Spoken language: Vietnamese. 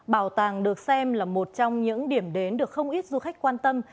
bảo tàng được xem là một trong những điểm đến được không ít du khách quan tâm